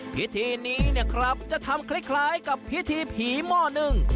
พิธีนี้เนี่ยครับจะทำคล้ายกับพิธีผีหม้อหนึ่ง